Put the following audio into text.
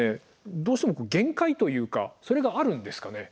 どうしても限界というかそれがあるんですかね？